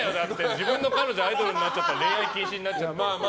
自分の彼女がアイドルになって恋愛禁止になっちゃって。